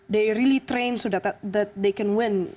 mereka benar benar berlatih supaya mereka bisa menang